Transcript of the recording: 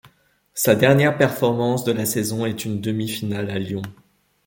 Sa dernière performance de la saison est une demi-finale à Lyon.